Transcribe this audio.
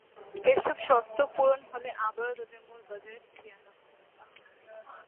এসব শর্ত পূরণ হলে আবারও তাদের মূল বাজারে ফিরিয়ে আনা হয়।